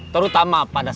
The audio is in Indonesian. terutama pada saat